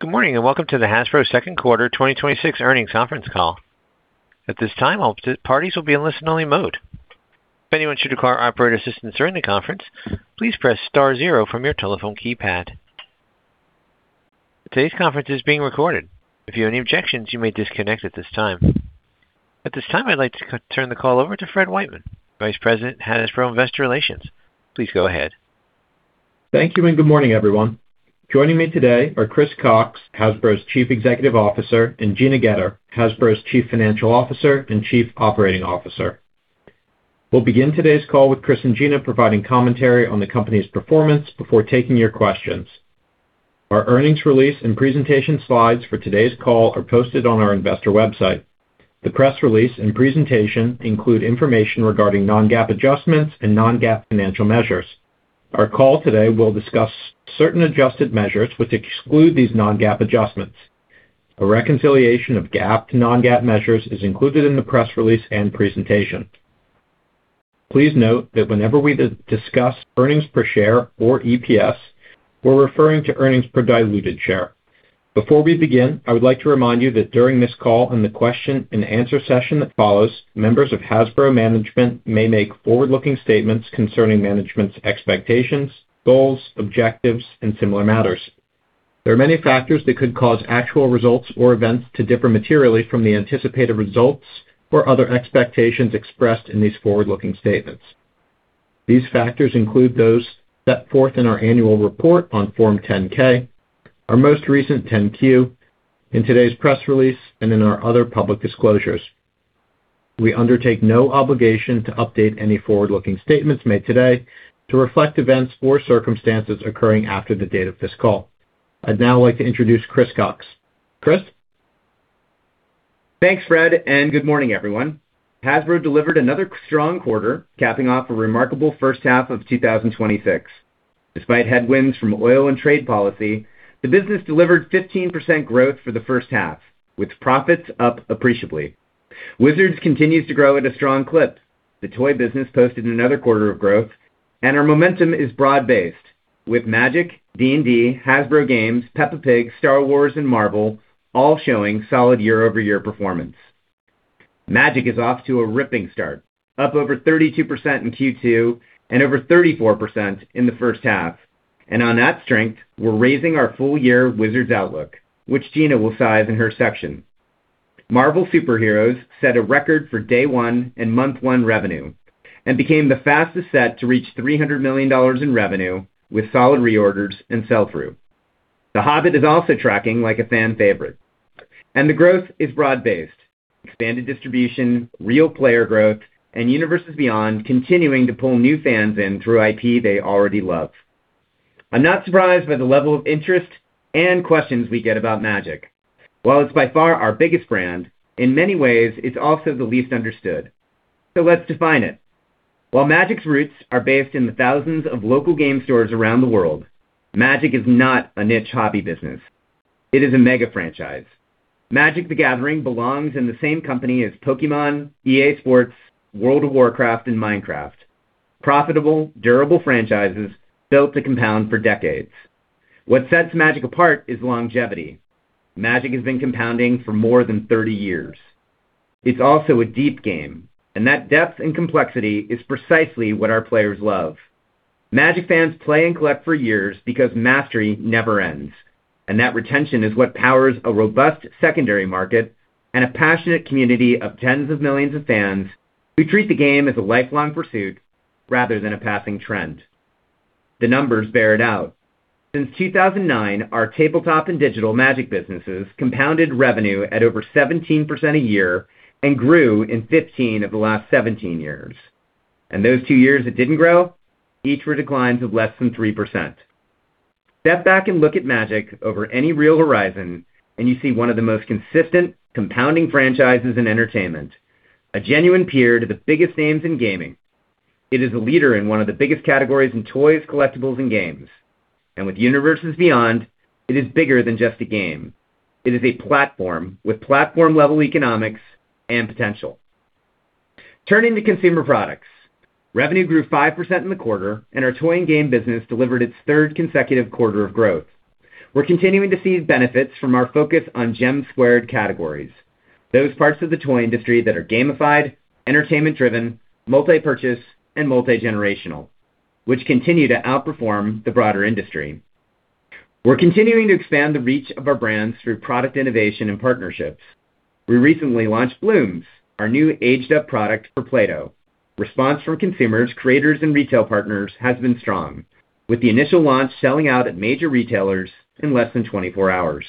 Good morning. Welcome to the Hasbro Second Quarter 2026 Earnings Conference Call. At this time, all parties will be in listen only mode. If anyone should require operator assistance during the conference, please press star zero from your telephone keypad. Today's conference is being recorded. If you have any objections, you may disconnect at this time. At this time, I'd like to turn the call over to Fred Wightman, Vice President, Hasbro Investor Relations. Please go ahead. Thank you. Good morning, everyone. Joining me today are Chris Cocks, Hasbro's Chief Executive Officer, and Gina Goetter, Hasbro's Chief Financial Officer and Chief Operating Officer. We'll begin today's call with Chris and Gina providing commentary on the company's performance before taking your questions. Our earnings release and presentation slides for today's call are posted on our investor website. The press release and presentation include information regarding non-GAAP adjustments and non-GAAP financial measures. Our call today will discuss certain adjusted measures which exclude these non-GAAP adjustments. A reconciliation of GAAP to non-GAAP measures is included in the press release and presentation. Please note that whenever we discuss earnings per share or EPS, we're referring to earnings per diluted share. Before we begin, I would like to remind you that during this call and the question and answer session that follows, members of Hasbro management may make forward-looking statements concerning management's expectations, goals, objectives, and similar matters. There are many factors that could cause actual results or events to differ materially from the anticipated results or other expectations expressed in these forward-looking statements. These factors include those set forth in our annual report on Form 10-K, our most recent 10-Q, in today's press release, and in our other public disclosures. We undertake no obligation to update any forward-looking statements made today to reflect events or circumstances occurring after the date of this call. I'd now like to introduce Chris Cocks. Chris? Thanks, Fred. Good morning, everyone. Hasbro delivered another strong quarter, capping off a remarkable first half of 2026. Despite headwinds from oil and trade policy, the business delivered 15% growth for the first half, with profits up appreciably. Wizards continues to grow at a strong clip. The toy business posted another quarter of growth, and our momentum is broad-based with Magic, D&D, Hasbro Gaming, Peppa Pig, Star Wars, and Marvel all showing solid year-over-year performance. Magic is off to a ripping start, up over 32% in Q2 and over 34% in the first half. On that strength, we're raising our full year Wizards outlook, which Gina will size in her section. Marvel Super Heroes set a record for day one and month one revenue and became the fastest set to reach $300 million in revenue with solid reorders and sell-through. The Hobbit is also tracking like a fan favorite. The growth is broad-based. Expanded distribution, real player growth, and Universes Beyond continuing to pull new fans in through IP they already love. I'm not surprised by the level of interest and questions we get about Magic. While it's by far our biggest brand, in many ways, it's also the least understood. Let's define it. While Magic's roots are based in the thousands of local game stores around the world, Magic is not a niche hobby business. It is a mega franchise. Magic: The Gathering belongs in the same company as Pokémon, EA Sports, World of Warcraft, and Minecraft. Profitable, durable franchises built to compound for decades. What sets Magic apart is longevity. Magic has been compounding for more than 30 years. It's also a deep game, and that depth and complexity is precisely what our players love. Magic fans play and collect for years because mastery never ends, and that retention is what powers a robust secondary market and a passionate community of tens of millions of fans who treat the game as a lifelong pursuit rather than a passing trend. The numbers bear it out. Since 2009, our tabletop and digital Magic businesses compounded revenue at over 17% a year and grew in 15 of the last 17 years. Those two years it didn't grow? Each were declines of less than 3%. Step back and look at Magic over any real horizon, and you see one of the most consistent compounding franchises in entertainment, a genuine peer to the biggest names in gaming. It is a leader in one of the biggest categories in toys, collectibles, and games. With Universes Beyond, it is bigger than just a game. It is a platform with platform-level economics and potential. Turning to consumer products. Revenue grew 5% in the quarter, and our toy and game business delivered its third consecutive quarter of growth. We're continuing to see benefits from our focus on GEM Squared categories, those parts of the toy industry that are gamified, entertainment-driven, multi-purchase, and multi-generational, which continue to outperform the broader industry. We're continuing to expand the reach of our brands through product innovation and partnerships. We recently launched Blooms, our new aged-up product for Play-Doh. Response from consumers, creators, and retail partners has been strong, with the initial launch selling out at major retailers in less than 24 hours.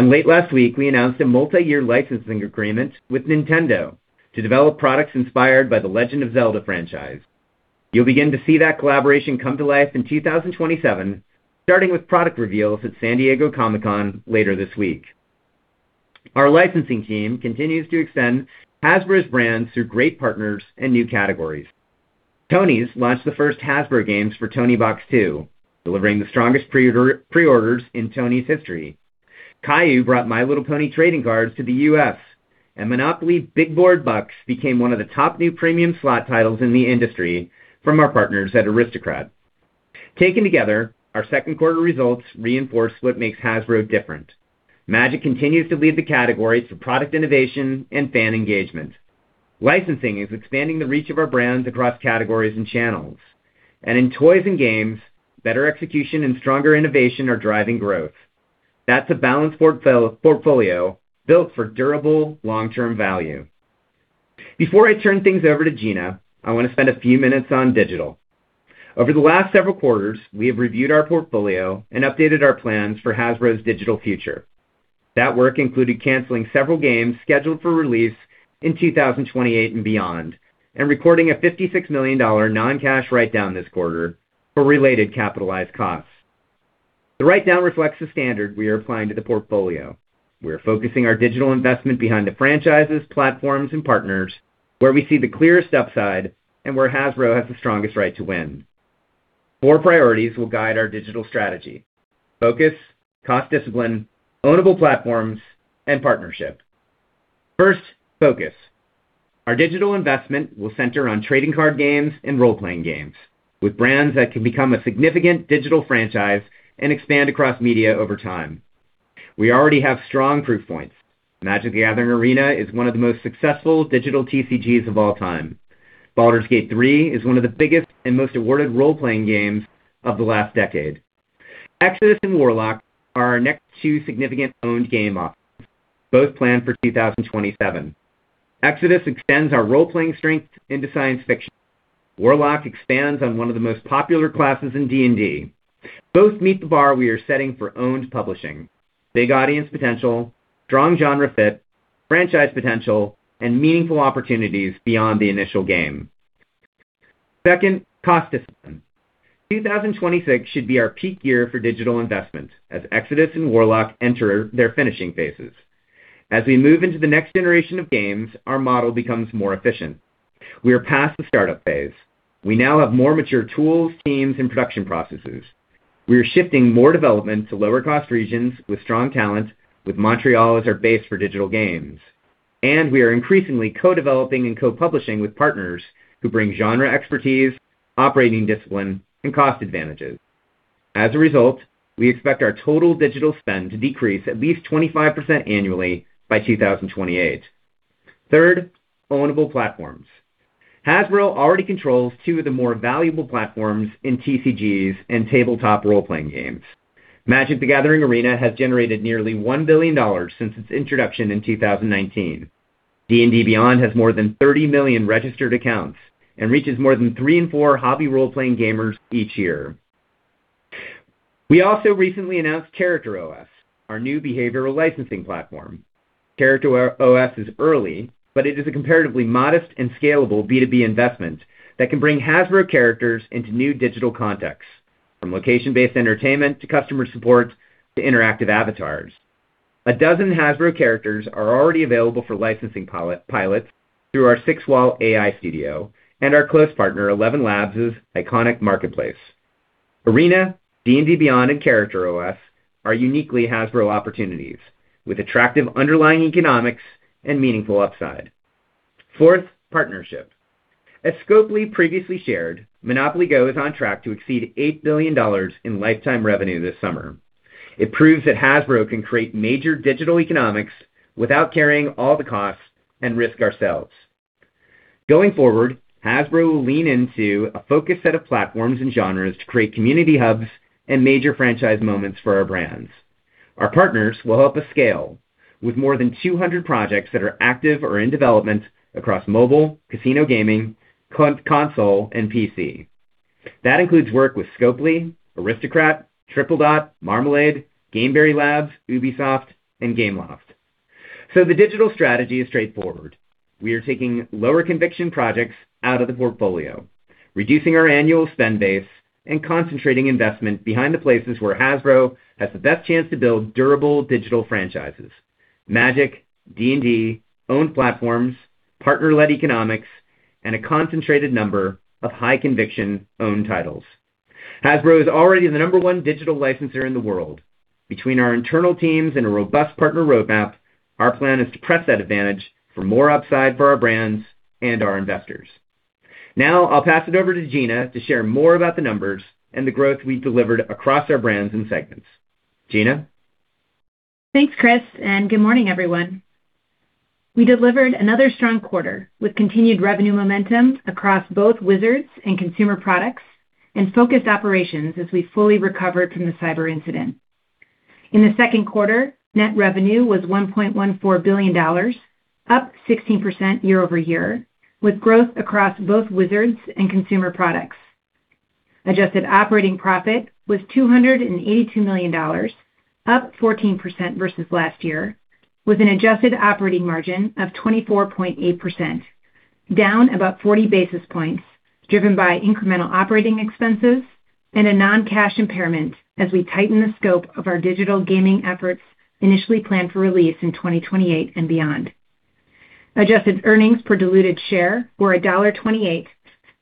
Late last week, we announced a multi-year licensing agreement with Nintendo to develop products inspired by The Legend of Zelda franchise. You'll begin to see that collaboration come to life in 2027, starting with product reveals at San Diego Comic-Con later this week. Our licensing team continues to extend Hasbro's brands through great partners and new categories. Tonies launched the first Hasbro Gaming for Toniebox 2, delivering the strongest pre-orders in Tonies history. Kayou brought My Little Pony trading cards to the U.S., and Monopoly Big Board Bucks became one of the top new premium slot titles in the industry from our partners at Aristocrat. Taken together, our second quarter results reinforce what makes Hasbro different. Magic continues to lead the category for product innovation and fan engagement. Licensing is expanding the reach of our brands across categories and channels. In toys and games, better execution and stronger innovation are driving growth. That's a balanced portfolio built for durable long-term value. Before I turn things over to Gina, I want to spend a few minutes on digital. Over the last several quarters, we have reviewed our portfolio and updated our plans for Hasbro's digital future. That work included canceling several games scheduled for release in 2028 and beyond, and recording a $56 million non-cash write-down this quarter for related capitalized costs. The write-down reflects the standard we are applying to the portfolio. We are focusing our digital investment behind the franchises, platforms and partners, where we see the clearest upside and where Hasbro has the strongest right to win. Four priorities will guide our digital strategy: Focus, cost discipline, ownable platforms, and partnership. First, focus. Our digital investment will center on trading card games and role-playing games with brands that can become a significant digital franchise and expand across media over time. We already have strong proof points. Magic: The Gathering Arena is one of the most successful digital TCGs of all time. Baldur's Gate 3 is one of the biggest and most awarded role-playing games of the last decade. Exodus and Warlock are our next two significant owned game offerings, both planned for 2027. Exodus extends our role-playing strength into science fiction. Warlock expands on one of the most popular classes in D&D. Both meet the bar we are setting for owned publishing: big audience potential, strong genre fit, franchise potential, and meaningful opportunities beyond the initial game. Second, cost discipline. 2026 should be our peak year for digital investment as Exodus and Warlock enter their finishing phases. As we move into the next generation of games, our model becomes more efficient. We are past the startup phase. We now have more mature tools, teams, and production processes. We are shifting more development to lower cost regions with strong talent, with Montreal as our base for digital games. We are increasingly co-developing and co-publishing with partners who bring genre expertise, operating discipline, and cost advantages. As a result, we expect our total digital spend to decrease at least 25% annually by 2028. Third, ownable platforms. Hasbro already controls two of the more valuable platforms in TCGs and tabletop role-playing games. Magic: The Gathering Arena has generated nearly $1 billion since its introduction in 2019. D&D Beyond has more than 30 million registered accounts and reaches more than three in four hobby role-playing gamers each year. We also recently announced CharacterOS, our new behavioral licensing platform. It is a comparatively modest and scalable B2B investment that can bring Hasbro characters into new digital contexts, from location-based entertainment to customer support to interactive avatars. A dozen Hasbro characters are already available for licensing pilots through our Sixth Wall AI studio and our close partner ElevenLabs' Iconic Marketplace. Arena, D&D Beyond, and CharacterOS are uniquely Hasbro opportunities with attractive underlying economics and meaningful upside. Fourth, partnership. As Scopely previously shared, Monopoly Go! is on track to exceed $8 billion in lifetime revenue this summer. It proves that Hasbro can create major digital economics without carrying all the costs and risk ourselves. Going forward, Hasbro will lean into a focused set of platforms and genres to create community hubs and major franchise moments for our brands. Our partners will help us scale with more than 200 projects that are active or in development across mobile, casino gaming, console, and PC. That includes work with Scopely, Aristocrat, Tripledot, Marmalade, Gameberry Labs, Ubisoft, and Gameloft. The digital strategy is straightforward. We are taking lower conviction projects out of the portfolio, reducing our annual spend base, and concentrating investment behind the places where Hasbro has the best chance to build durable digital franchises, Magic, D&D, owned platforms, partner-led economics, and a concentrated number of high-conviction owned titles. Hasbro is already the number one digital licensor in the world. Between our internal teams and a robust partner roadmap, our plan is to press that advantage for more upside for our brands and our investors. Now, I'll pass it over to Gina to share more about the numbers and the growth we delivered across our brands and segments. Gina? Thanks, Chris. Good morning, everyone. We delivered another strong quarter with continued revenue momentum across both Wizards and Consumer Products and focused operations as we fully recovered from the cyber incident. In the second quarter, net revenue was $1.14 billion, up 16% year-over-year, with growth across both Wizards and Consumer Products. Adjusted operating profit was $282 million, up 14% versus last year, with an adjusted operating margin of 24.8%, down about 40 basis points, driven by incremental operating expenses and a non-cash impairment as we tighten the scope of our digital gaming efforts initially planned for release in 2028 and beyond. Adjusted earnings per diluted share were $1.28,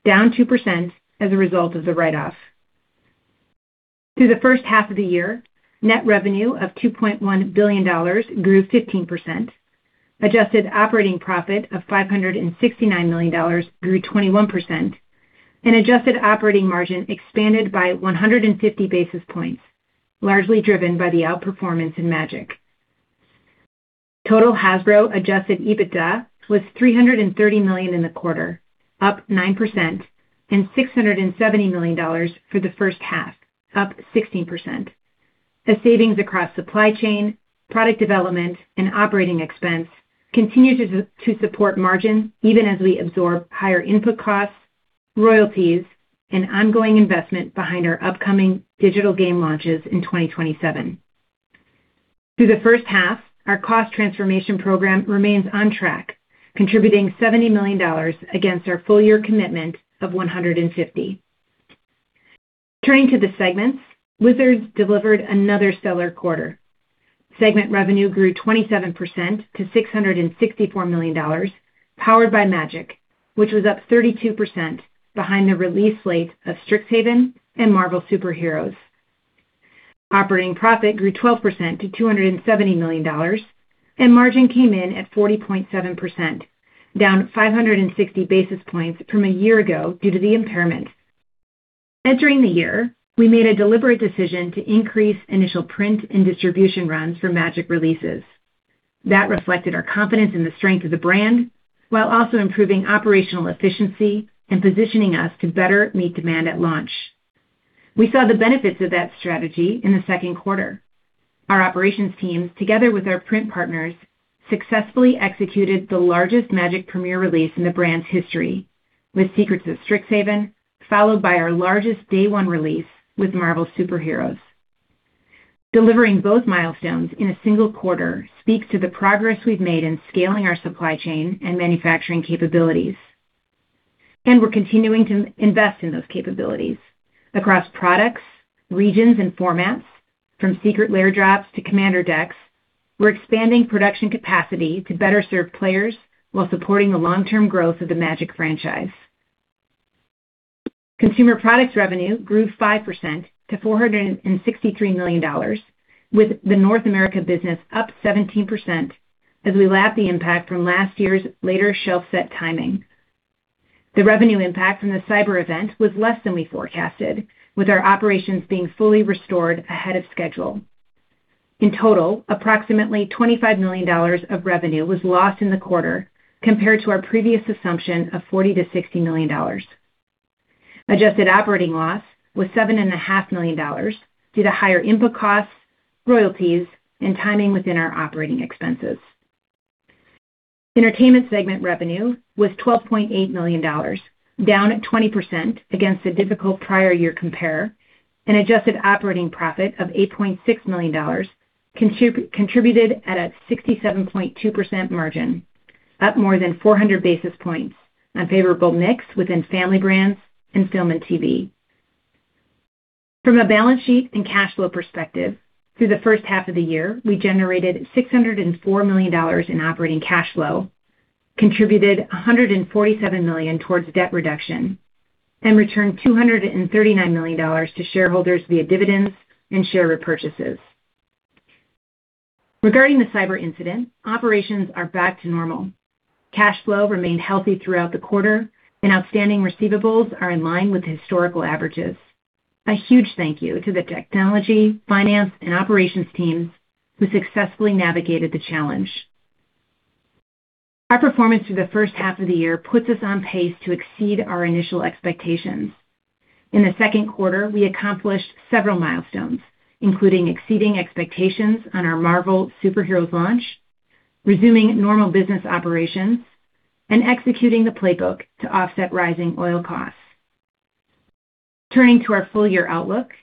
down 2% as a result of the write-off. Through the first half of the year, net revenue of $2.1 billion grew 15%, adjusted operating profit of $569 million grew 21%, and adjusted operating margin expanded by 150 basis points, largely driven by the outperformance in Magic. Total Hasbro adjusted EBITDA was $330 million in the quarter, up 9%, and $670 million for the first half, up 16%. The savings across supply chain, product development, and operating expense continue to support margin even as we absorb higher input costs, royalties, and ongoing investment behind our upcoming digital game launches in 2027. Through the first half, our cost transformation program remains on track, contributing $70 million against our full year commitment of $150 million. Turning to the segments, Wizards delivered another stellar quarter. Segment revenue grew 27% to $664 million, powered by Magic, which was up 32% behind the release slate of Strixhaven and Marvel Super Heroes. Operating profit grew 12% to $270 million, and margin came in at 40.7%, down 560 basis points from a year ago due to the impairment. Entering the year, we made a deliberate decision to increase initial print and distribution runs for Magic releases. That reflected our confidence in the strength of the brand while also improving operational efficiency and positioning us to better meet demand at launch. We saw the benefits of that strategy in the second quarter. Our operations teams, together with our print partners, successfully executed the largest Magic premiere release in the brand's history with Secrets of Strixhaven, followed by our largest day one release with Marvel Super Heroes. Delivering both milestones in a single quarter speaks to the progress we've made in scaling our supply chain and manufacturing capabilities. We're continuing to invest in those capabilities across products, regions, and formats, from Secret Lair drops to Commander Decks. We're expanding production capacity to better serve players while supporting the long-term growth of the Magic franchise. Consumer products revenue grew 5% to $463 million, with the North America business up 17% as we lap the impact from last year's later shelf set timing. The revenue impact from the cyber event was less than we forecasted, with our operations being fully restored ahead of schedule. In total, approximately $25 million of revenue was lost in the quarter compared to our previous assumption of $40 million to $60 million. Adjusted operating loss was $7.5 million due to higher input costs, royalties, and timing within our operating expenses. Entertainment segment revenue was $12.8 million, down 20% against a difficult prior year compare. Adjusted operating profit of $8.6 million contributed at a 67.2% margin, up more than 400 basis points on favorable mix within Family Brands and film and TV. From a balance sheet and cash flow perspective, through the first half of the year, we generated $604 million in operating cash flow, contributed $147 million towards debt reduction, and returned $239 million to shareholders via dividends and share repurchases. Regarding the cyber incident, operations are back to normal. Cash flow remained healthy throughout the quarter, and outstanding receivables are in line with historical averages. A huge thank you to the technology, finance, and operations teams who successfully navigated the challenge. Our performance through the first half of the year puts us on pace to exceed our initial expectations. In the second quarter, we accomplished several milestones, including exceeding expectations on our Marvel Super Heroes launch, resuming normal business operations, and executing the playbook to offset rising oil costs. Turning to our full year outlook,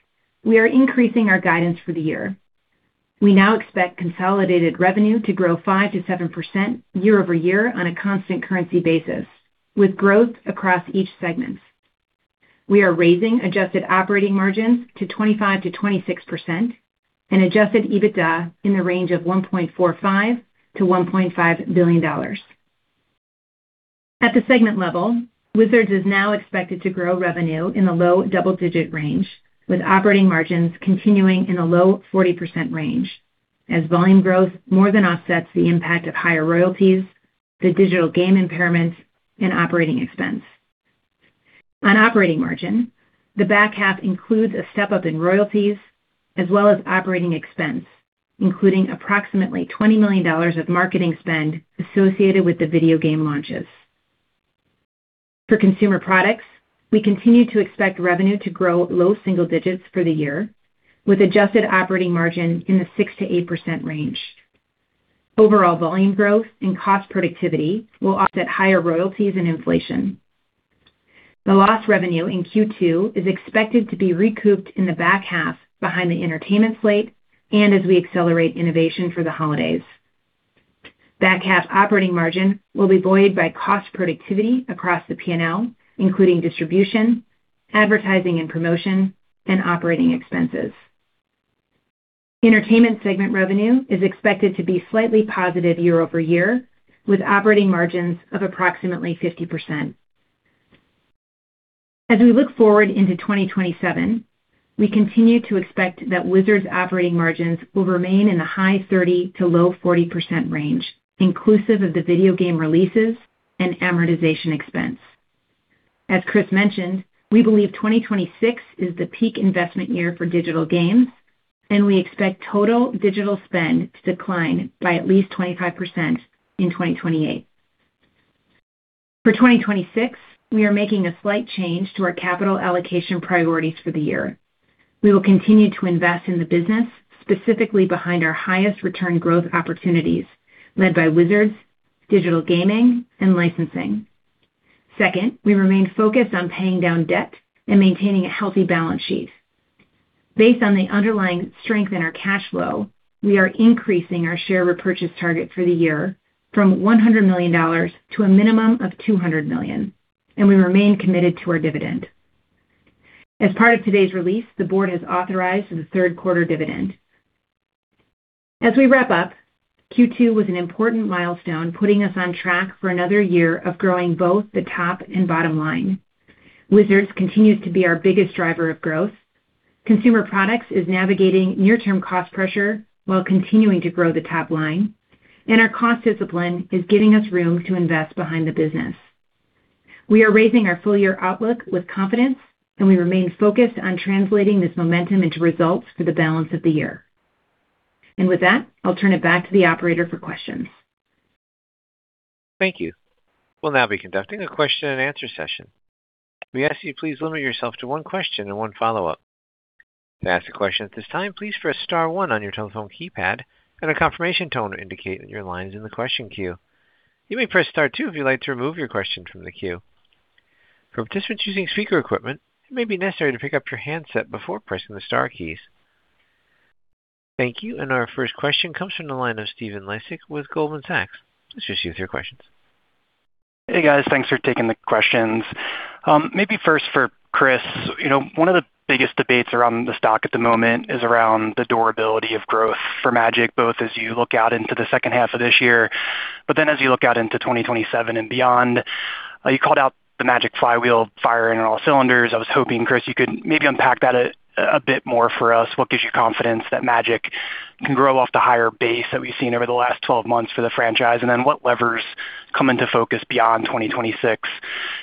we are increasing our guidance for the year. We now expect consolidated revenue to grow 5%-7% year-over-year on a constant currency basis, with growth across each segment. We are raising adjusted operating margins to 25%-26% and adjusted EBITDA in the range of $1.45 billion to $1.5 billion. At the segment level, Wizards is now expected to grow revenue in the low double-digit range, with operating margins continuing in the low 40% range as volume growth more than offsets the impact of higher royalties, the digital game impairments, and operating expense. On operating margin, the back half includes a step-up in royalties as well as operating expense, including approximately $20 million of marketing spend associated with the video game launches. For consumer products, we continue to expect revenue to grow low single digits for the year, with adjusted operating margin in the 6%-8% range. Overall volume growth and cost productivity will offset higher royalties and inflation. The lost revenue in Q2 is expected to be recouped in the back half behind the entertainment slate and as we accelerate innovation for the holidays. Back half operating margin will be buoyed by cost productivity across the P&L, including distribution, advertising and promotion, and operating expenses. Entertainment segment revenue is expected to be slightly positive year-over-year, with operating margins of approximately 50%. As we look forward into 2027, we continue to expect that Wizards operating margins will remain in the high 30%-40% range, inclusive of the video game releases and amortization expense. As Chris mentioned, we believe 2026 is the peak investment year for digital games, we expect total digital spend to decline by at least 25% in 2028. For 2026, we are making a slight change to our capital allocation priorities for the year. We will continue to invest in the business, specifically behind our highest return growth opportunities led by Wizards, digital gaming, and licensing. Second, we remain focused on paying down debt and maintaining a healthy balance sheet. Based on the underlying strength in our cash flow, we are increasing our share repurchase target for the year from $100 million to a minimum of $200 million, we remain committed to our dividend. As part of today's release, the board has authorized the third-quarter dividend. As we wrap up, Q2 was an important milestone, putting us on track for another year of growing both the top and bottom line. Wizards continues to be our biggest driver of growth. Consumer products is navigating near-term cost pressure while continuing to grow the top line. Our cost discipline is giving us room to invest behind the business. We are raising our full-year outlook with confidence, we remain focused on translating this momentum into results for the balance of the year. With that, I'll turn it back to the operator for questions. Thank you. We'll now be conducting a question-and-answer session. We ask you to please limit yourself to one question and one follow-up. To ask a question at this time, please press star one on your telephone keypad, a confirmation tone will indicate that your line is in the question queue. You may press star two if you'd like to remove your question from the queue. For participants using speaker equipment, it may be necessary to pick up your handset before pressing the star keys. Thank you. Our first question comes from the line of Stephen Laszczyk with Goldman Sachs. It's just you with your questions. Hey, guys. Thanks for taking the questions. Maybe first for Chris. One of the biggest debates around the stock at the moment is around the durability of growth for Magic, both as you look out into the second half of this year, but then as you look out into 2027 and beyond. You called out the Magic flywheel firing on all cylinders. I was hoping, Chris, you could maybe unpack that a bit more for us. What gives you confidence that Magic can grow off the higher base that we've seen over the last 12 months for the franchise? Then what levers come into focus beyond 2026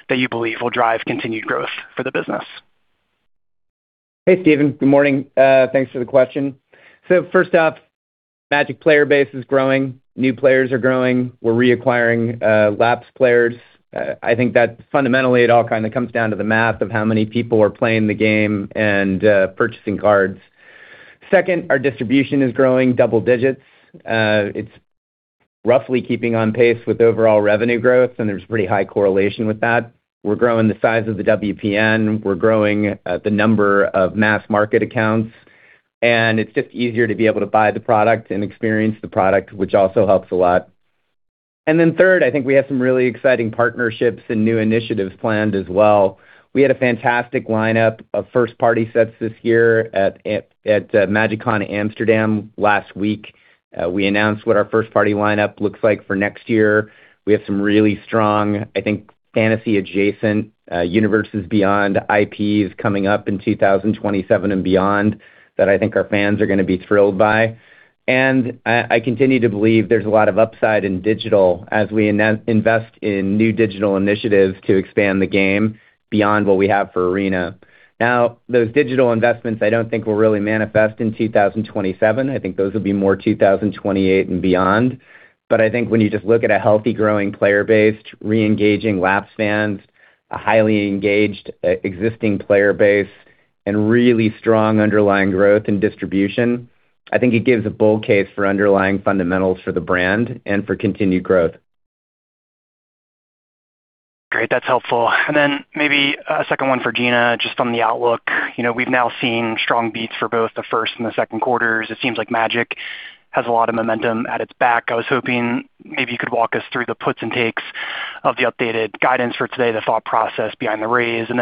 that you believe will drive continued growth for the business? Hey, Stephen. Good morning. Thanks for the question. First up, Magic player base is growing. New players are growing. We're reacquiring lapsed players. I think that fundamentally it all kind of comes down to the math of how many people are playing the game and purchasing cards. Second, our distribution is growing double digits. It's roughly keeping on pace with overall revenue growth, and there's pretty high correlation with that. We're growing the size of the WPN. We're growing the number of mass-market accounts, and it's just easier to be able to buy the product and experience the product, which also helps a lot. Third, I think we have some really exciting partnerships and new initiatives planned as well. We had a fantastic lineup of first-party sets this year at MagicCon Amsterdam last week. We announced what our first-party lineup looks like for next year. We have some really strong, I think, fantasy-adjacent Universes Beyond IPs coming up in 2027 and beyond that I think our fans are going to be thrilled by. I continue to believe there's a lot of upside in digital as we invest in new digital initiatives to expand the game beyond what we have for Arena. Those digital investments I don't think will really manifest in 2027. I think those will be more 2028 and beyond. I think when you just look at a healthy, growing player base, re-engaging lapsed fans, a highly engaged existing player base, and really strong underlying growth in distribution, I think it gives a bull case for underlying fundamentals for the brand and for continued growth. Great. That's helpful. Maybe a second one for Gina, just on the outlook. We've now seen strong beats for both the first and the second quarters. It seems like Magic has a lot of momentum at its back. I was hoping maybe you could walk us through the puts and takes of the updated guidance for today, the thought process behind the raise, and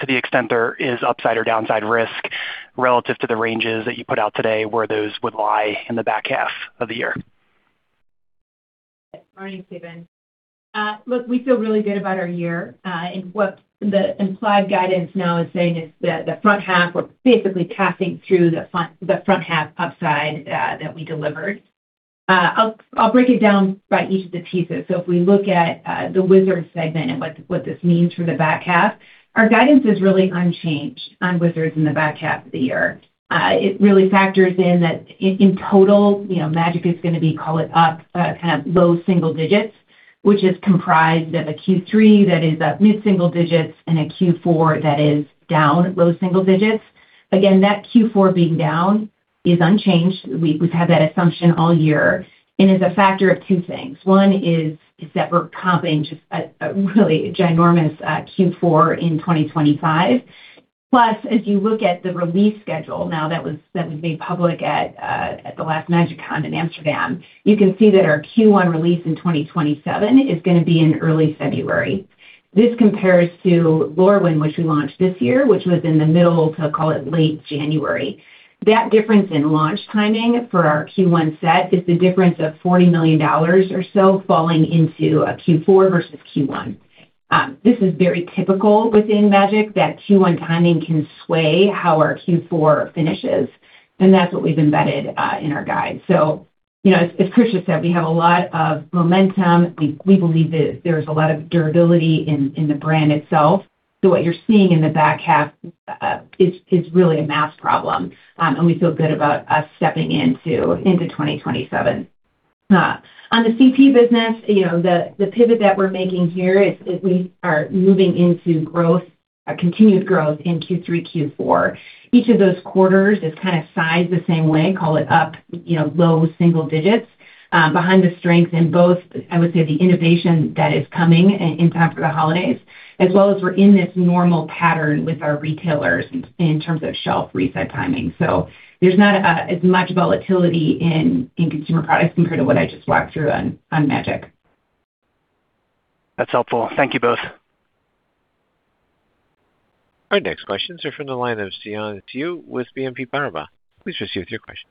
to the extent there is upside or downside risk relative to the ranges that you put out today, where those would lie in the back half of the year. Morning, Stephen. Look, we feel really good about our year. What the implied guidance now is saying is that the front half, we're basically passing through the front half upside that we delivered. I'll break it down by each of the pieces. If we look at the Wizards segment and what this means for the back half, our guidance is really unchanged on Wizards in the back half of the year. It really factors in that in total, Magic is going to be, call it, up kind of low single digits, which is comprised of a Q3 that is up mid-single digits and a Q4 that is down low single digits. Again, that Q4 being down is unchanged. We've had that assumption all year, and it's a factor of two things. One is that we're comping just a really ginormous Q4 in 2025. As you look at the release schedule now that was made public at the last MagicCon in Amsterdam, you can see that our Q1 release in 2027 is going to be in early February. This compares to Lorwyn, which we launched this year, which was in the middle to call it late January. That difference in launch timing for our Q1 set is the difference of $40 million or so falling into a Q4 versus Q1. This is very typical within Magic, that Q1 timing can sway how our Q4 finishes, and that's what we've embedded in our guide. As Chris just said, we have a lot of momentum. We believe that there's a lot of durability in the brand itself. What you're seeing in the back half is really a math problem, and we feel good about us stepping into 2027. On the CP business, the pivot that we're making here is we are moving into continued growth in Q3, Q4. Each of those quarters is kind of sized the same way, call it up low single digits. Behind the strength in both, I would say the innovation that is coming in time for the holidays, as well as we're in this normal pattern with our retailers in terms of shelf reset timing. There's not as much volatility in consumer products compared to what I just walked through on Magic. That's helpful. Thank you both. Our next questions are from the line of Xian Siew with BNP Paribas. Please proceed with your question.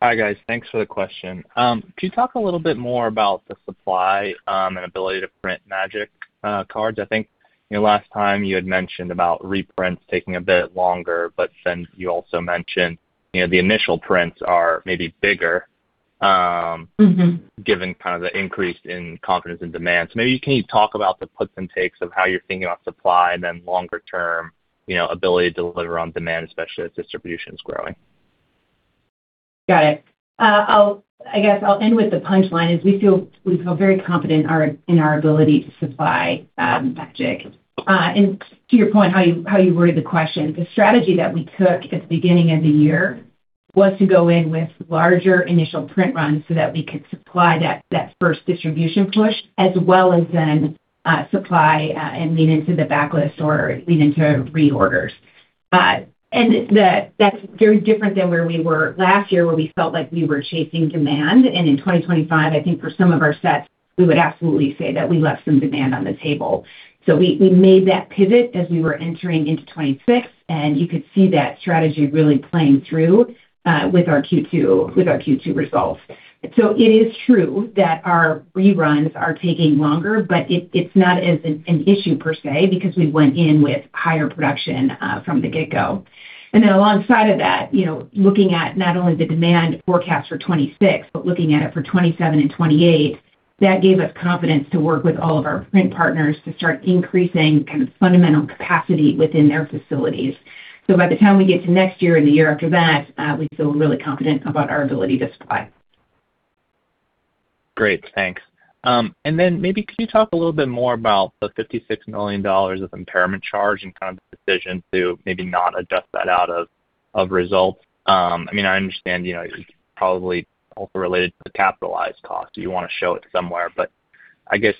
Hi, guys. Thanks for the question. Can you talk a little bit more about the supply and ability to print Magic cards? I think last time you had mentioned about reprints taking a bit longer, but then you also mentioned the initial prints are maybe bigger. Given the increase in confidence and demand. Maybe can you talk about the puts and takes of how you're thinking about supply and then longer term ability to deliver on demand, especially as distribution's growing? Got it. I guess I'll end with the punchline is we feel very confident in our ability to supply Magic. To your point, how you worded the question, the strategy that we took at the beginning of the year was to go in with larger initial print runs so that we could supply that first distribution push, as well as then supply and lean into the backlist or lean into reorders. That's very different than where we were last year, where we felt like we were chasing demand. In 2025, I think for some of our sets, we would absolutely say that we left some demand on the table. We made that pivot as we were entering into 2026, and you could see that strategy really playing through with our Q2 results. It is true that our reruns are taking longer, but it's not as an issue per se, because we went in with higher production from the get-go. Alongside of that, looking at not only the demand forecast for 2026, but looking at it for 2027 and 2028, that gave us confidence to work with all of our print partners to start increasing fundamental capacity within their facilities. By the time we get to next year and the year after that, we feel really confident about our ability to supply. Great. Thanks. Maybe could you talk a little bit more about the $56 million of impairment charge and kind of decision to maybe not adjust that out of results? I understand, it's probably also related to the capitalized cost, so you want to show it somewhere, but I guess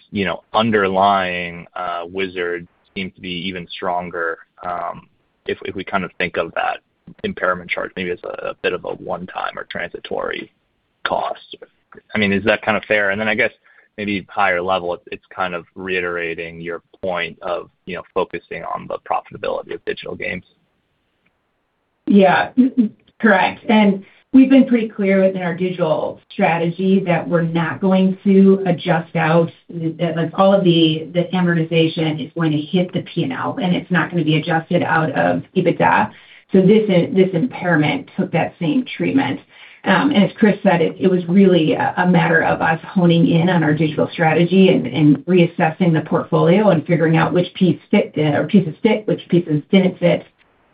underlying Wizards seems to be even stronger. If we kind of think of that impairment charge, maybe as a bit of a one-time or transitory cost. Is that kind of fair? I guess maybe higher level, it's kind of reiterating your point of focusing on the profitability of digital games. Yeah. Correct. We've been pretty clear within our digital strategy that we're not going to adjust out, all of the amortization is going to hit the P&L, and it's not going to be adjusted out of EBITDA. This impairment took that same treatment. As Chris said, it was really a matter of us honing in on our digital strategy and reassessing the portfolio and figuring out which pieces fit, which pieces didn't fit.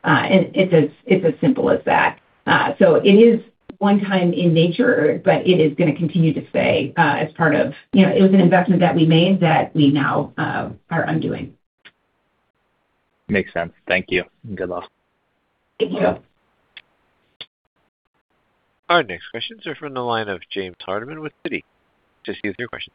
It's as simple as that. It is one-time in nature, but it is going to continue to stay as part of. It was an investment that we made that we now are undoing. Makes sense. Thank you. Good luck. Thank you. Our next questions are from the line of James Hardiman with Citi. Please proceed with your question.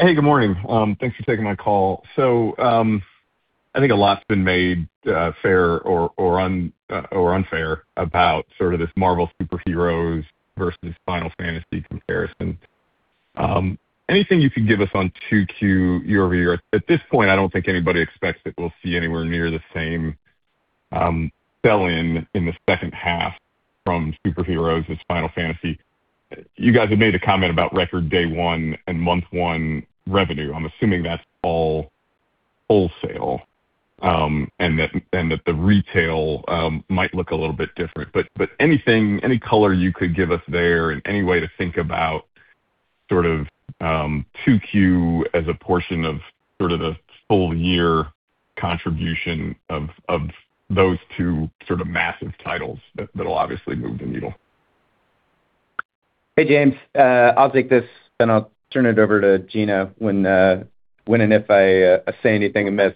Hey, good morning. Thanks for taking my call. I think a lot's been made fair or unfair about sort of this Marvel Super Heroes versus Final Fantasy comparison. Anything you could give us on 2Q year-over-year? At this point, I don't think anybody expects that we'll see anywhere near the same sell-in in the second half from Super Heroes as Final Fantasy. You guys have made a comment about record day one and month one revenue. I'm assuming that's all wholesale, and that the retail might look a little bit different. Any color you could give us there and any way to think about sort of 2Q as a portion of sort of the full year contribution of those two sort of massive titles that'll obviously move the needle. Hey, James. I'll take this then I'll turn it over to Gina when and if I say anything amiss.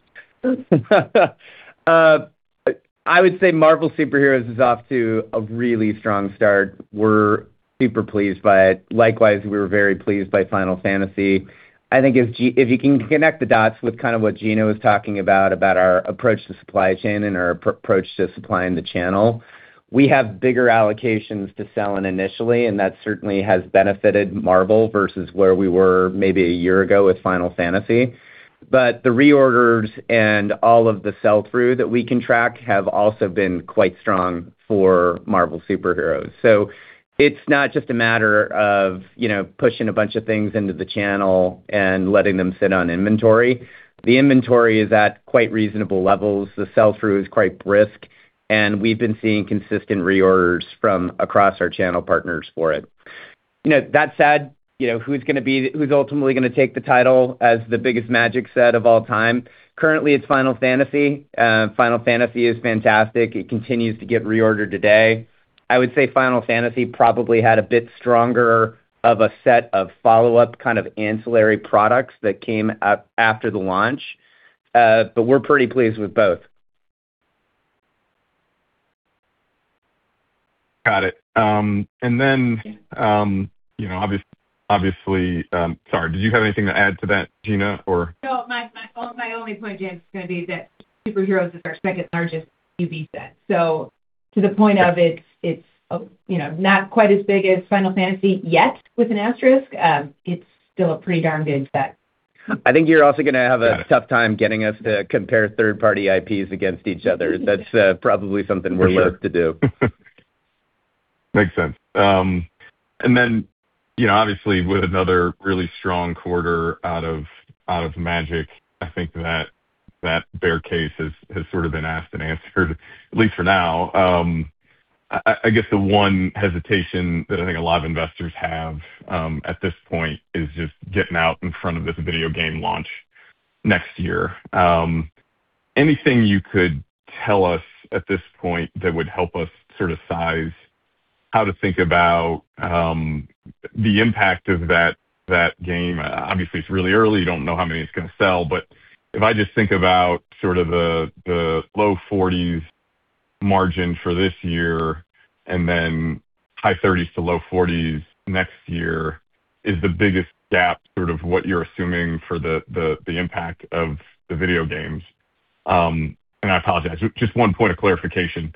I would say Marvel Super Heroes is off to a really strong start. We're super pleased by it. Likewise, we were very pleased by Final Fantasy. I think if you can connect the dots with kind of what Gina was talking about our approach to supply chain and our approach to supplying the channel, we have bigger allocations to sell in initially, and that certainly has benefited Marvel versus where we were maybe a year ago with Final Fantasy. The reorders and all of the sell-through that we can track have also been quite strong for Marvel Super Heroes. It's not just a matter of pushing a bunch of things into the channel and letting them sit on inventory. The inventory is at quite reasonable levels. The sell-through is quite brisk, and we've been seeing consistent reorders from across our channel partners for it. That said, who's ultimately going to take the title as the biggest Magic set of all time? Currently, it's Final Fantasy. Final Fantasy is fantastic. It continues to get reordered today. I would say Final Fantasy probably had a bit stronger of a set of follow-up kind of ancillary products that came out after the launch. We're pretty pleased with both. Got it. Sorry, did you have anything to add to that, Gina, or? No, my only point, James, is going to be that Super Heroes is our second-largest UB set. To the point of it's not quite as big as Final Fantasy yet, with an asterisk, it's still a pretty darn good set. I think you're also going to have a tough time getting us to compare third-party IPs against each other. That's probably something we're loath to do. Makes sense. Then obviously with another really strong quarter out of Magic, I think that bear case has sort of been asked and answered, at least for now. I guess the one hesitation that I think a lot of investors have at this point is just getting out in front of this video game launch next year. Anything you could tell us at this point that would help us sort of size how to think about the impact of that game? Obviously, it's really early. You don't know how many it's going to sell, but if I just think about sort of the low 40s margin for this year and then high 30s to low 40s next year, is the biggest gap sort of what you're assuming for the impact of the video games? I apologize, just one point of clarification.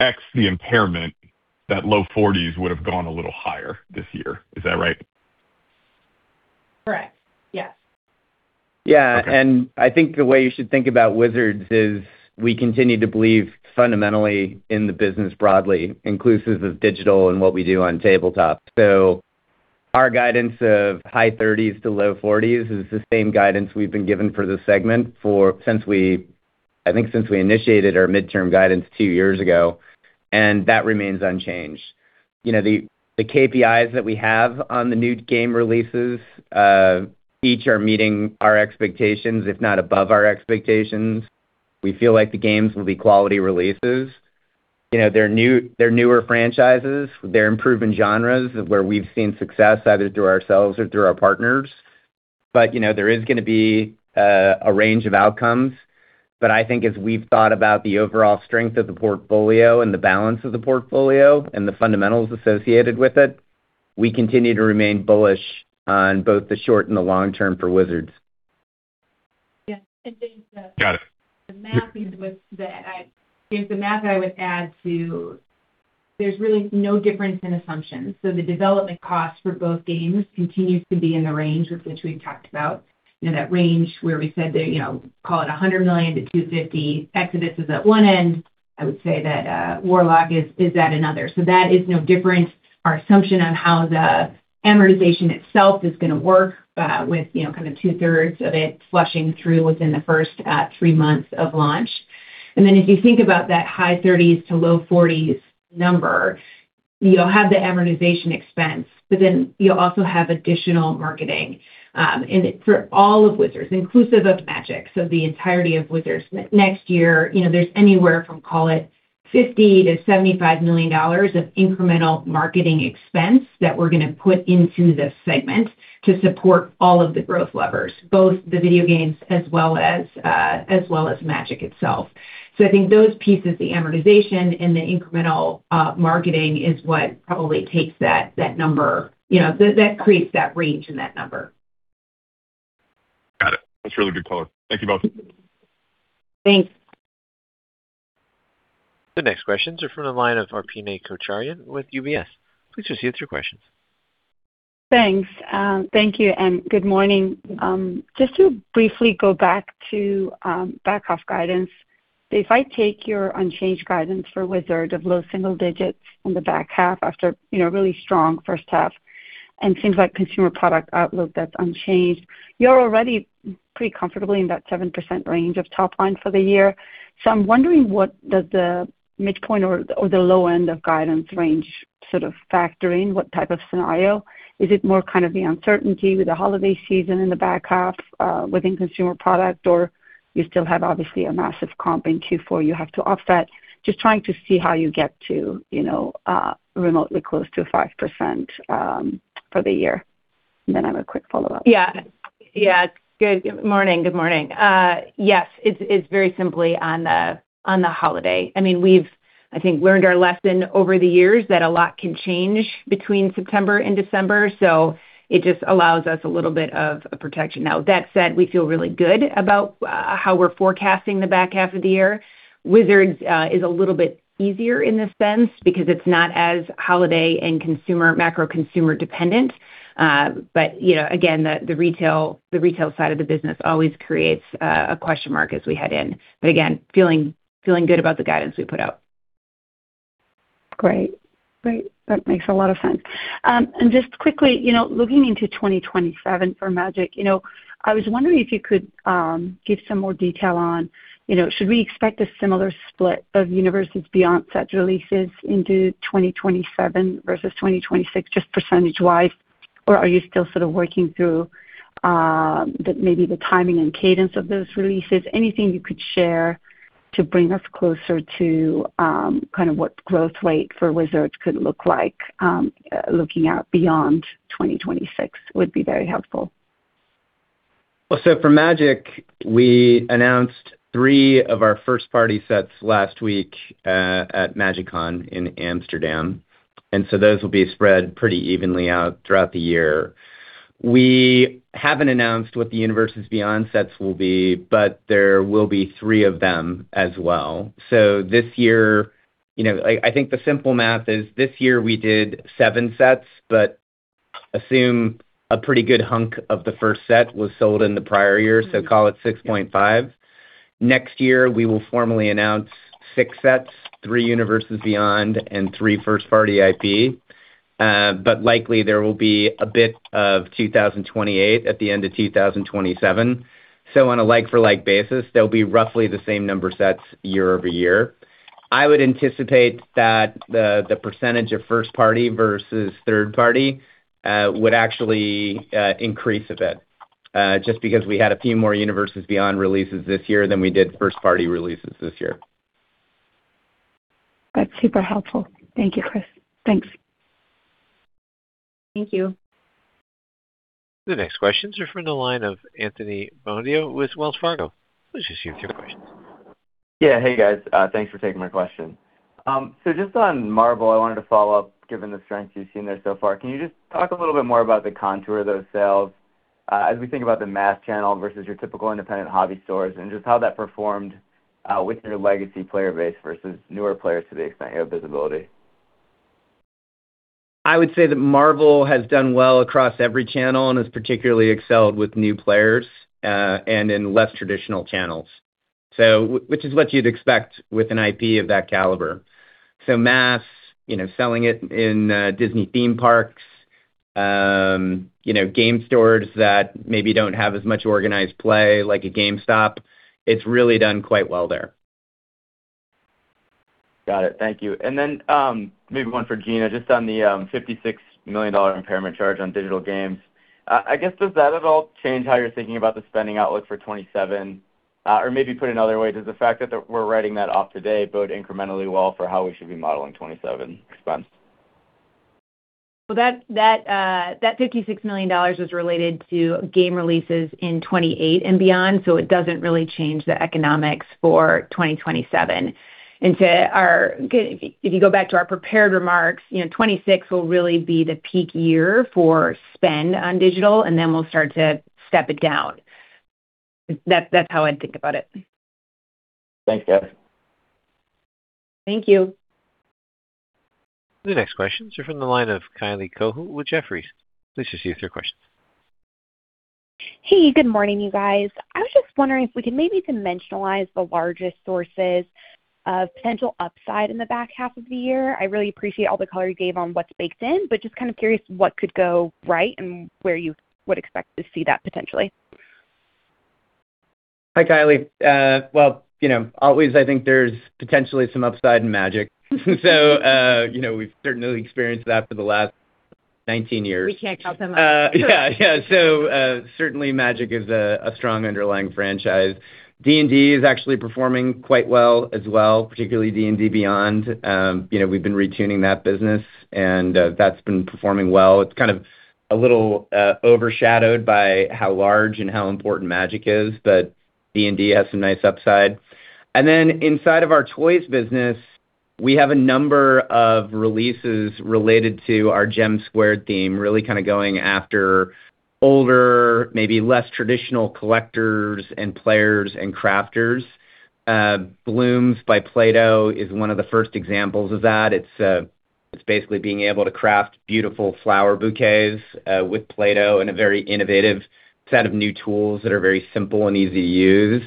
X the impairment, that low 40s would have gone a little higher this year. Is that right? Correct. Yes. Yeah. I think the way you should think about Wizards is we continue to believe fundamentally in the business broadly, inclusive of digital and what we do on tabletop. Our guidance of high 30s to low 40s is the same guidance we've been given for this segment I think since we initiated our midterm guidance two years ago, that remains unchanged. The KPIs that we have on the new game releases, each are meeting our expectations, if not above our expectations. We feel like the games will be quality releases. They're newer franchises. They're improving genres where we've seen success either through ourselves or through our partners. There is going to be a range of outcomes. I think as we've thought about the overall strength of the portfolio and the balance of the portfolio and the fundamentals associated with it, we continue to remain bullish on both the short and the long term for Wizards. Got it. The math that I would add to, there's really no difference in assumptions. The development cost for both games continues to be in the range with which we've talked about. That range where we said call it $100 million-$250 million. Exodus is at one end, I would say that Warlock is at another. That is no different. Our assumption on how the amortization itself is going to work with kind of 2/3 of it flushing through within the first three months of launch. If you think about that high 30s to low 40s number, you'll have the amortization expense, but then you'll also have additional marketing. For all of Wizards, inclusive of Magic, the entirety of Wizards next year, there's anywhere from, call it $50 million-$75 million of incremental marketing expense that we're going to put into this segment to support all of the growth levers, both the video games as well as Magic itself. I think those pieces, the amortization and the incremental marketing is what probably takes that number. That creates that range and that number. Got it. That's a really good color. Thank you both. Thanks. The next questions are from the line of Arpine Kocharyan with UBS. Please proceed with your questions. Thanks. Thank you and good morning. Just to briefly go back to back-half guidance. If I take your unchanged guidance for Wizards low single digits in the back half after really strong first half, and seems like Consumer Products outlook, that's unchanged, you're already pretty comfortably in that 7% range of top line for the year. I'm wondering what does the midpoint or the low end of guidance range sort of factor in? What type of scenario? Is it more kind of the uncertainty with the holiday season in the back half within Consumer Products, or you still have obviously a massive comp in Q4 you have to offset? Just trying to see how you get to remotely close to 5% for the year. Then I have a quick follow-up. Yeah. Good morning. Yes, it's very simply on the holiday. We've, I think, learned our lesson over the years that a lot can change between September and December, it just allows us a little bit of protection. Now, with that said, we feel really good about how we're forecasting the back half of the year. Wizards is a little bit easier in this sense because it's not as holiday and macro consumer dependent. Again, the retail side of the business always creates a question mark as we head in. Again, feeling good about the guidance we put out. Great. That makes a lot of sense. Just quickly, looking into 2027 for Magic, I was wondering if you could give some more detail on should we expect a similar split of Universes Beyond sets releases into 2027 versus 2026, just percentage-wise, or are you still sort of working through maybe the timing and cadence of those releases? Anything you could share to bring us closer to what growth rate for Wizards could look like looking out beyond 2026 would be very helpful. For Magic, we announced three of our first-party sets last week at MagicCon in Amsterdam, those will be spread pretty evenly out throughout the year. We haven't announced what the Universes Beyond sets will be, there will be three of them as well. This year, I think the simple math is this year we did seven sets, assume a pretty good hunk of the first set was sold in the prior year, call it 6.5. Next year, we will formally announce six sets, three Universes Beyond and three first-party IP. Likely there will be a bit of 2028 at the end of 2027. On a like-for-like basis, there'll be roughly the same number sets year-over-year. I would anticipate that the percentage of first party versus third party would actually increase a bit, just because we had a few more Universes Beyond releases this year than we did first party releases this year. That's super helpful. Thank you, Chris. Thanks. Thank you. The next questions are from the line of Anthony Bonadio with Wells Fargo. Please proceed with your questions. Hey, guys. Thanks for taking my questions. Just on Marvel, I wanted to follow up, given the strength you've seen there so far. Can you just talk a little bit more about the contour of those sales as we think about the mass channel versus your typical independent hobby stores, and just how that performed with your legacy player base versus newer players to the extent you have visibility? I would say that Marvel has done well across every channel and has particularly excelled with new players and in less traditional channels. Which is what you'd expect with an IP of that caliber. Mass, selling it in Disney theme parks, game stores that maybe don't have as much organized play like a GameStop, it's really done quite well there. Got it. Thank you. Maybe one for Gina, just on the $56 million impairment charge on digital games. I guess, does that at all change how you're thinking about the spending outlook for 2027? Maybe put another way, does the fact that we're writing that off today bode incrementally well for how we should be modeling 2027 expense? That $56 million was related to game releases in 2028 and beyond, it doesn't really change the economics for 2027. If you go back to our prepared remarks, 2026 will really be the peak year for spend on digital. We'll start to step it down. That's how I'd think about it. Thanks, guys. Thank you. The next questions are from the line of Kylie Cohu with Jefferies. Please proceed with your questions. Hey. Good morning, you guys. I was just wondering if we could maybe dimensionalize the largest sources of potential upside in the back half of the year. I really appreciate all the color you gave on what's baked in, but just kind of curious what could go right and where you would expect to see that potentially. Hi, Kylie. Well, always, I think there's potentially some upside in Magic. We've certainly experienced that for the last 19 years. We can't count them out. Yeah. Certainly Magic is a strong underlying franchise. D&D is actually performing quite well as well, particularly D&D Beyond. We've been retuning that business, and that's been performing well. It's kind of a little overshadowed by how large and how important Magic is, but D&D has some nice upside. Inside of our toys business, we have a number of releases related to our GEM Squared theme, really kind of going after older, maybe less traditional collectors and players and crafters. Blooms by Play-Doh is one of the first examples of that. It's basically being able to craft beautiful flower bouquets with Play-Doh and a very innovative set of new tools that are very simple and easy to use.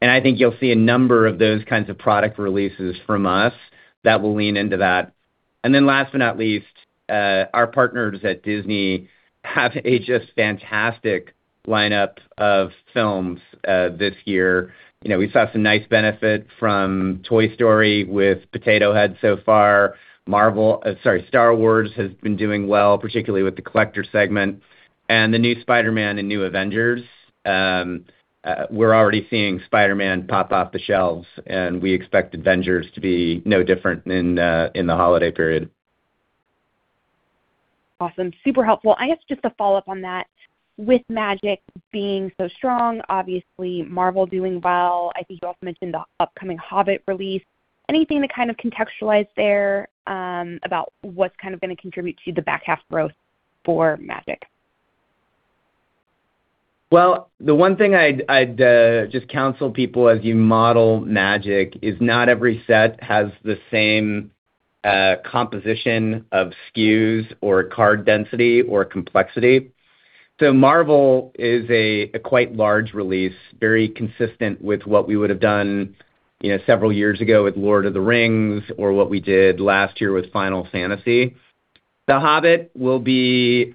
I think you'll see a number of those kinds of product releases from us that will lean into that. Last but not least, our partners at Disney have a just fantastic lineup of films this year. We saw some nice benefit from Toy Story with Potato Head so far. Star Wars has been doing well, particularly with the collector segment. The new Spider-Man and new Avengers, we're already seeing Spider-Man pop off the shelves, and we expect Avengers to be no different in the holiday period. Awesome. Super helpful. I guess just to follow up on that, with Magic being so strong, obviously Marvel doing well, I think you also mentioned the upcoming Hobbit release. Anything to kind of contextualize there, about what's going to contribute to the back half growth for Magic? The one thing I'd just counsel people as you model Magic is not every set has the same composition of SKUs or card density or complexity. Marvel is a quite large release, very consistent with what we would have done several years ago with The Lord of the Rings or what we did last year with Final Fantasy. The Hobbit will be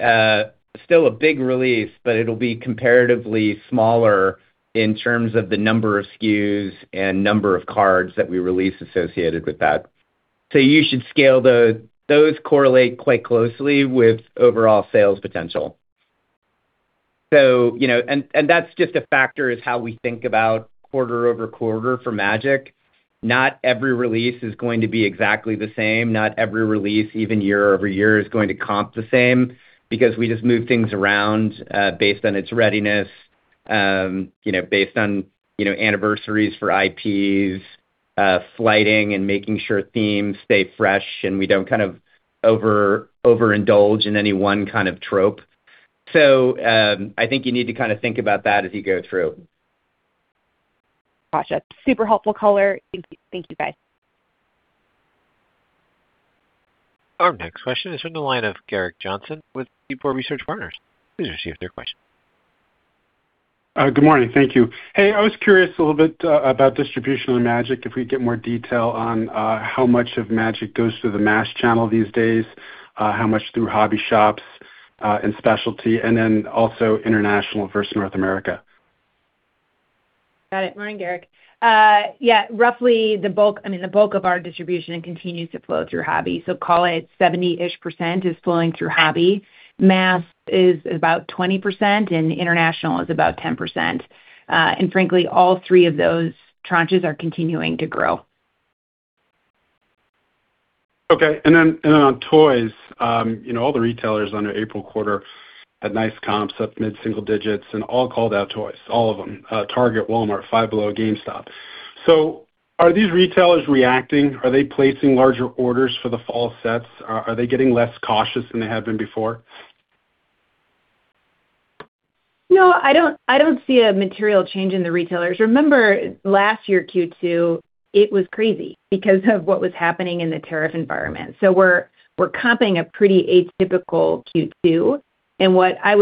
still a big release, but it'll be comparatively smaller in terms of the number of SKUs and number of cards that we release associated with that. You should scale those. Those correlate quite closely with overall sales potential. That's just a factor is how we think about quarter-over-quarter for Magic. Not every release is going to be exactly the same. Not every release, even year-over-year, is going to comp the same because we just move things around, based on its readiness, based on anniversaries for IPs, flighting, and making sure themes stay fresh, and we don't overindulge in any one kind of trope. I think you need to think about that as you go through. Got it. Super helpful color. Thank you, guys. Our next question is from the line of Gerrick Johnson with Seaport Research Partners. Please proceed with your question. Good morning. Thank you. I was curious a little bit about distribution of Magic. If we could get more detail on how much of Magic goes through the mass channel these days, how much through hobby shops, and specialty, and then also international versus North America. Got it. Morning, Gerrick. Roughly the bulk of our distribution continues to flow through hobby. Call it 70%-ish is flowing through hobby. Mass is about 20%, international is about 10%. Frankly, all three of those tranches are continuing to grow. Okay. On toys, all the retailers on their April quarter had nice comps, up mid-single digits and all called out toys, all of them, Target, Walmart, Five Below, GameStop. Are these retailers reacting? Are they placing larger orders for the fall sets? Are they getting less cautious than they have been before? No, I don't see a material change in the retailers. Remember, last year, Q2, it was crazy because of what was happening in the tariff environment. We're comping a pretty atypical Q2. What I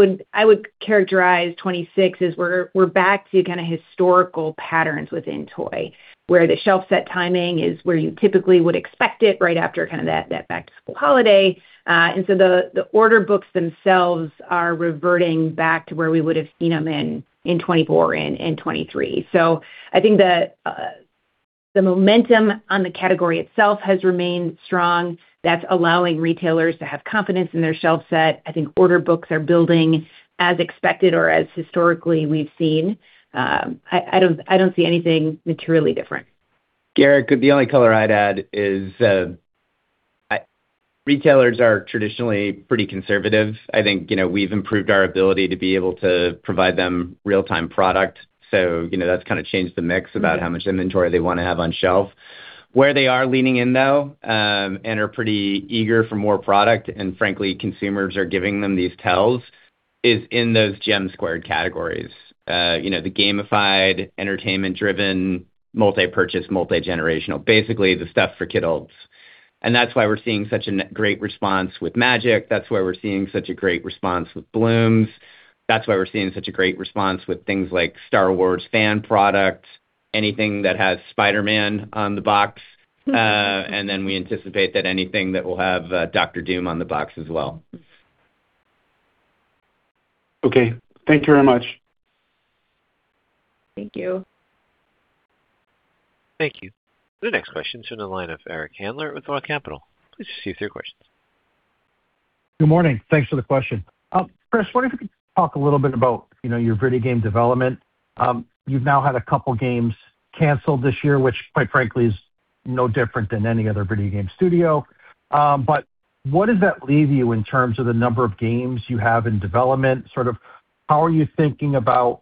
would characterize 2026 is we're back to kind of historical patterns within toy, where the shelf set timing is where you typically would expect it right after that back-to-school holiday. The order books themselves are reverting back to where we would've seen them in 2024 and 2023. I think the momentum on the category itself has remained strong. That's allowing retailers to have confidence in their shelf set. I think order books are building as expected or as historically we've seen. I don't see anything materially different. Gerrick, the only color I'd add is retailers are traditionally pretty conservative. I think we've improved our ability to be able to provide them real-time product. That's kind of changed the mix about how much inventory they want to have on shelf. Where they are leaning in, though, and are pretty eager for more product, and frankly, consumers are giving them these tells, is in those GEM Squared categories. The gamified, entertainment-driven, multi-purchase, multi-generational, basically the stuff for kidults. That's why we're seeing such a great response with Magic. That's why we're seeing such a great response with Blooms. That's why we're seeing such a great response with things like Star Wars fan products, anything that has Spider-Man on the box. We anticipate that anything that will have Doctor Doom on the box as well. Okay. Thank you very much. Thank you. Thank you. The next question's from the line of Eric Handler with Roth Capital. Please proceed with your questions. Good morning. Thanks for the question. Chris, wondering if you could talk a little bit about your video game development. You've now had a couple games canceled this year, which quite frankly is no different than any other video game studio. What does that leave you in terms of the number of games you have in development? Sort of how are you thinking about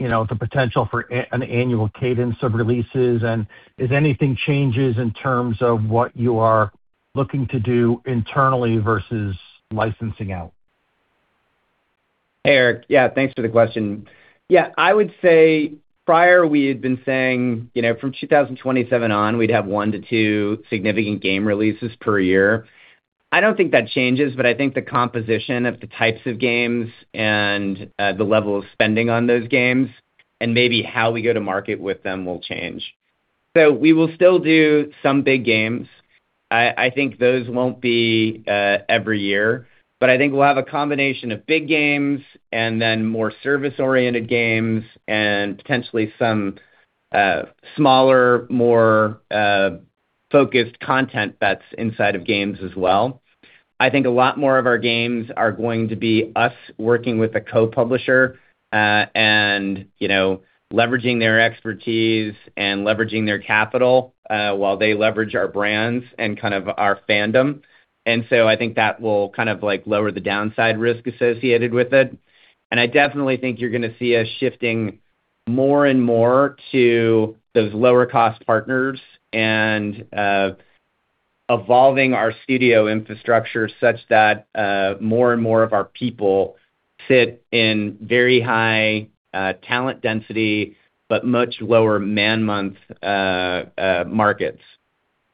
the potential for an annual cadence of releases, does anything changes in terms of what you are looking to do internally versus licensing out? Eric. Thanks for the question. I would say prior we had been saying from 2027 on, we'd have one to two significant game releases per year. I don't think that changes, but I think the composition of the types of games and the level of spending on those games and maybe how we go to market with them will change. We will still do some big games. I think those won't be every year. I think we'll have a combination of big games and then more service-oriented games and potentially some smaller, more focused content that's inside of games as well. I think a lot more of our games are going to be us working with a co-publisher, and leveraging their expertise and leveraging their capital, while they leverage our brands and kind of our fandom. I think that will kind of lower the downside risk associated with it. I definitely think you're going to see us shifting more and more to those lower-cost partners and evolving our studio infrastructure such that more and more of our people sit in very high talent density but much lower man-month markets.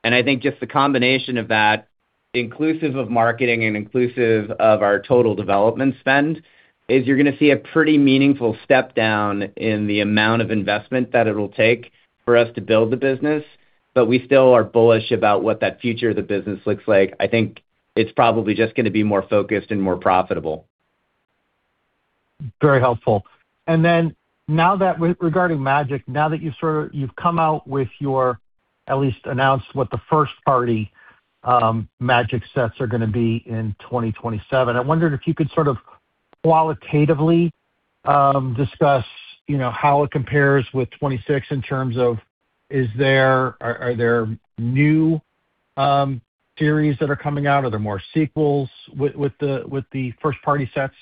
I think just the combination of that, inclusive of marketing and inclusive of our total development spend, is you're going to see a pretty meaningful step down in the amount of investment that it'll take for us to build the business. We still are bullish about what that future of the business looks like. I think it's probably just going to be more focused and more profitable. Very helpful. Regarding Magic, now that you've come out with your, at least announced what the first party Magic sets are going to be in 2027, I wondered if you could sort of qualitatively discuss how it compares with 2026 in terms of are there new series that are coming out? Are there more sequels with the first party sets?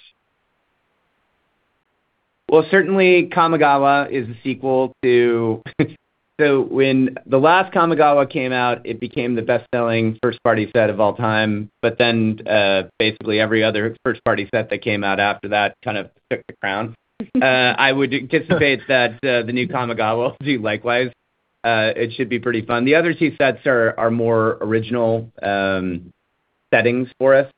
Certainly Kamigawa is a sequel to when the last Kamigawa came out, it became the best-selling first party set of all time, but then basically every other first party set that came out after that kind of took the crown. I would anticipate that the new Kamigawa will do likewise. It should be pretty fun. The other two sets are more original settings for us.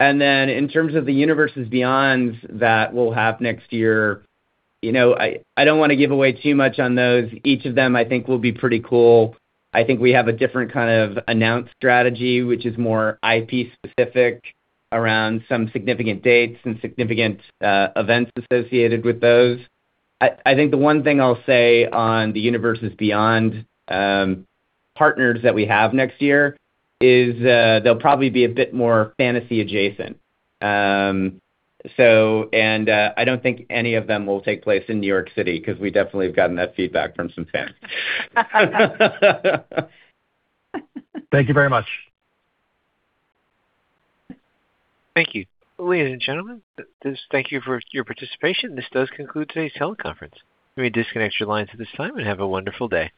In terms of the Universes Beyond that we'll have next year, I don't want to give away too much on those. Each of them, I think, will be pretty cool. I think we have a different kind of announce strategy, which is more IP specific around some significant dates and significant events associated with those. I think the one thing I'll say on the Universes Beyond partners that we have next year is, they'll probably be a bit more fantasy adjacent. I don't think any of them will take place in New York City because we definitely have gotten that feedback from some fans. Thank you very much. Thank you. Ladies and gentlemen, thank you for your participation. This does conclude today's teleconference. You may disconnect your lines at this time and have a wonderful day.